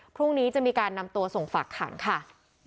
พรุ่งนี้จะมีการนำตัวส่งฝากขังค่ะ